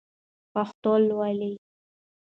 پښتو لولئ!